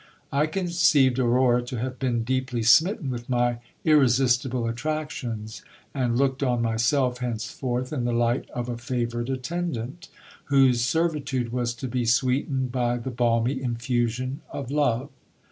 I conceived Aurora to have been deeply smitten with my irresistible attractions ; and looked on myself henceforth in the light of a favoured attendant, whose servitude was to be sweetened by the balmy infusion of love.